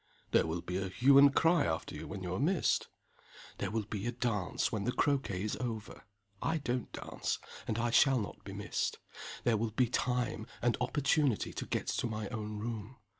"There will be a hue and cry after you, when you are missed." "There will be a dance when the croquet is over. I don't dance and I shall not be missed. There will be time, and opportunity to get to my own room.